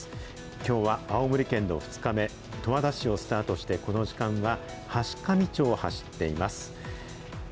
きょうは青森県の２日目、十和田市をスタートして、この時間は、階上町を走っています。